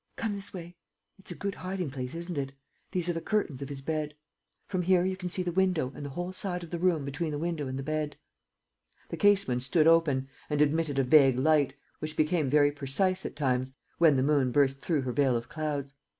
Come this way. ... It's a good hiding place, isn't it? ... These are the curtains of his bed. ... From here you can see the window and the whole side of the room between the window and the bed." The casement stood open and admitted a vague light, which became very precise at times, when the moon burst through her veil of clouds.